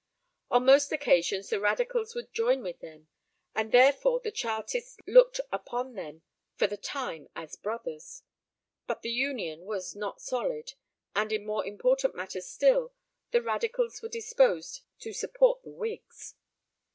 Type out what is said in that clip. On most occasions the Radicals would join with them, and therefore the Chartists looked upon them for the time as brothers; but the union was not solid, and in more important matters still, the Radicals were disposed to support the Whigs.